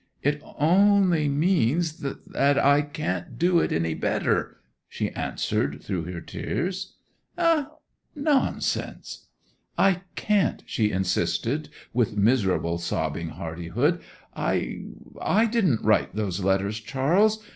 'It only means—that I can't do it any better!' she answered, through her tears. 'Eh? Nonsense!' 'I can't!' she insisted, with miserable, sobbing hardihood. 'I—I—didn't write those letters, Charles!